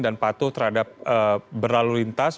dan patuh terhadap berlalu lintas